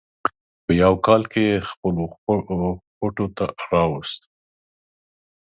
په یوه کال کې یې خپلو خوټو ته راوست.